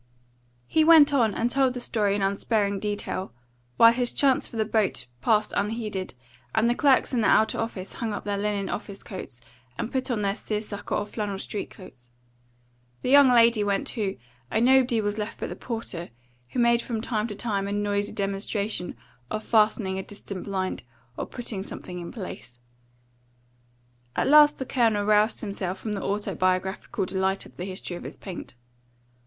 He went on, and told the story in unsparing detail, while his chance for the boat passed unheeded, and the clerks in the outer office hung up their linen office coats and put on their seersucker or flannel street coats. The young lady went too, and nobody was left but the porter, who made from time to time a noisy demonstration of fastening a distant blind, or putting something in place. At last the Colonel roused himself from the autobiographical delight of the history of his paint.